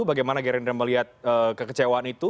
bagaimana gerindra melihat kekecewaan itu